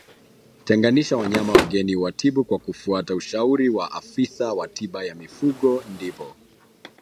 Tenganisha wanyama wageni uwatibu kwa kufuata ushauri wa afisa wa tiba ya mifugo ndipo